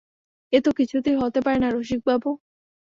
এ তো কিছুতেই হতে পারে না রসিকবাবু!